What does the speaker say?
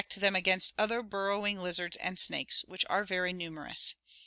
tec I them against other burrowing lizards and snakes, which are very numerous.